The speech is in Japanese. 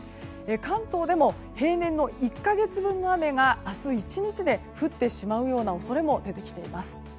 関東でも、平年の１か月分の雨が明日１日で降ってしまうような恐れも出てきています。